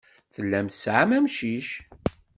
Tellam tesɛam amcic.